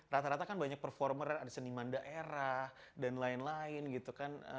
rata rata kan banyak performer ada seniman daerah dan lain lain gitu kan